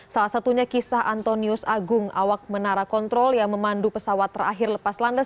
salah satunya kisah antonius agung awak menara kontrol yang memandu pesawat terakhir lepas landas